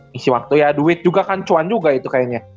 ngisi waktu ya duit juga kan cuan juga itu kayaknya